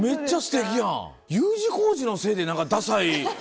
Ｕ字工事のせいで何かダサい。